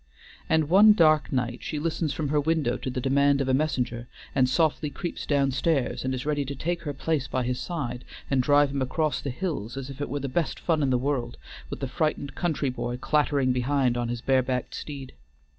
And one dark night she listens from her window to the demand of a messenger, and softly creeps down stairs and is ready to take her place by his side, and drive him across the hills as if it were the best fun in the world, with the frightened country boy clattering behind on his bare backed steed.